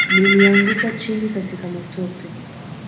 Nilianguka chini katika matope.